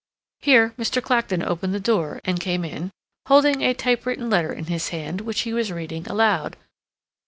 Here Mr. Clacton opened the door, and came in, holding a typewritten letter in his hand, which he was reading aloud.